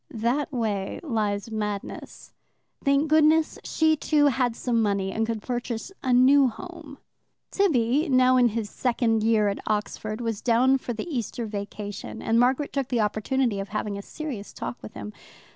That way lies madness. Thank goodness she, too, had some money, and could purchase a new home. Tibby, now in his second year at Oxford, was down for the Easter vacation, and Margaret took the opportunity of having a serious talk with him.